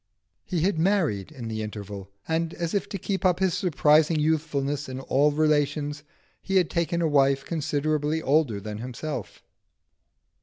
He had married in the interval, and as if to keep up his surprising youthfulness in all relations, he had taken a wife considerably older than himself.